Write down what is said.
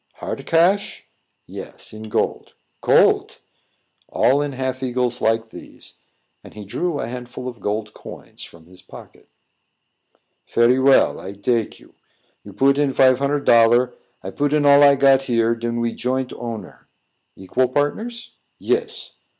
"Hard cash?" "Yes, in gold." "Gold!" "All in half eagles like these." And he drew a handful of gold coins from his pocket. "Very well; I dake you. You put in fife hunnard dollar, I put in all I got here; den we joint owner." "Equal partners?" "Yes."